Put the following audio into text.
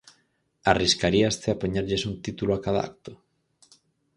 Arriscaríaste a poñerlles un título a cada acto?